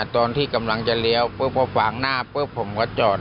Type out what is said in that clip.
ตอนที่กำลังจะเลี้ยวฝากหน้าผมก็จอด